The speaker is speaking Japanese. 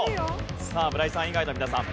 さあ村井さん以外の皆さん